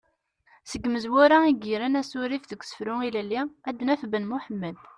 Seg yimezwura i yegren asurif deg usefru ilelli ad naf Ben Muḥemmed.